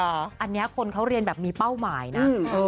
อันนี้คนเขาเรียนแบบมีเป้าหมายนะ